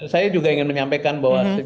saya juga ingin menyampaikan bahwa